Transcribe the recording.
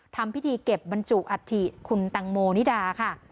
ทำพิธีเก็บบรรจุอัฐิคุณตังโมนิดาค่ะ